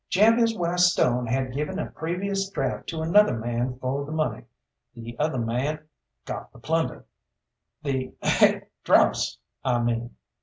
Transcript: "Jabez Y. Stone had given a previous draft to another man for the money. The other man got the plunder the ahic! dross, I mean.